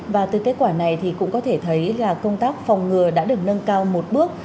và từ kết quả này thì cũng có thể thấy là công tác phòng ngừa đã được nâng cao một bước